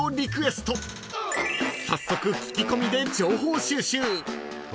［早速聞き込みで情報収集］